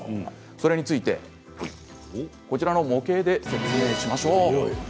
それについてこちらの模型で説明しましょう。